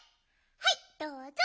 はいどうぞ！